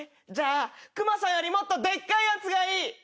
じゃあクマさんよりもっとでっかいやつがいい。